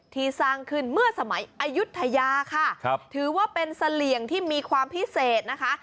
สร้างขึ้นเมื่อสมัยอายุทยาค่ะถือว่าเป็นเสลี่ยงที่มีความพิเศษนะคะ